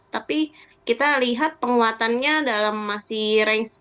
tapi kita lihat penguatannya dalam masih range